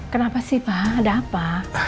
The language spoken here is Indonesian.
kenapa sih pak ada apa